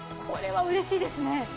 これはうれしいですね。